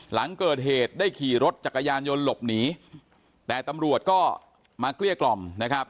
หลังเกิดเหตุได้ขี่รถจักรยานยนต์หลบหนีแต่ตำรวจก็มาเกลี้ยกล่อมนะครับ